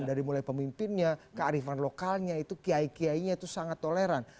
dari mulai pemimpinnya kearifan lokalnya itu kiai kiainya itu sangat toleran